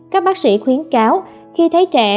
các bác sĩ khuyến cáo khi thấy trẻ